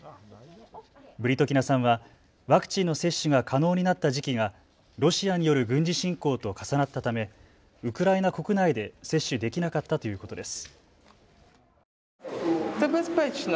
ブリトキナさんはワクチンの接種が可能になった時期がロシアによる軍事侵攻と重なったためウクライナ国内で接種できなかったということです。